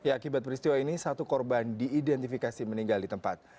akibat peristiwa ini satu korban diidentifikasi meninggal di tempat